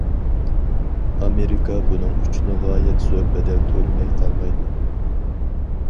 ئامېرىكا بۇنىڭ ئۈچۈن غايەت زور بەدەل تۆلىمەي قالمايدۇ.